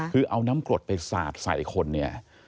คือเอาน้ำกรดไปสาดใส่คนเนี่ย